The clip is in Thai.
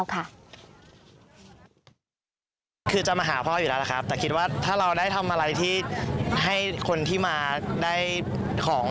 คือจะมาหาพ่ออยู่แล้วนะครับแต่คิดว่าถ้าเราได้ทำอะไรที่ให้คนที่มาได้ของ